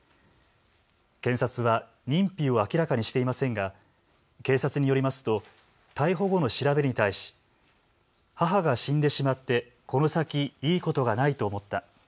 検察は認否を明らかにしていませんが警察によりますと逮捕後の調べに対し母が死んでしまってこの先いいことがないと思った。